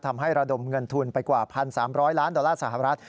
ทำให้ระดมเงินทุนไปกว่า๑๓๐๐ล้านดอลลาร์สหรัฐ